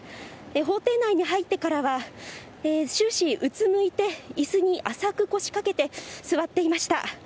法廷内に入ってからは、終始、うつむいて、いすに浅く腰かけて座っていました。